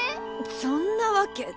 そんなわけ。